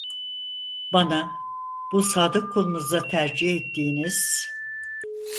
Bana, bu sadık kulunuza tercih ettiğiniz…